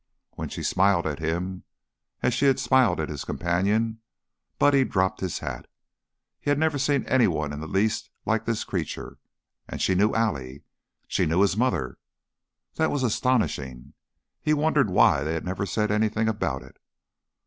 When she smiled at him, as she had smiled at his companion, Buddy dropped his hat. He had never seen anyone in the least like this creature and she knew Allie! She knew his mother! That was astonishing. He wondered why they had never said anything about it.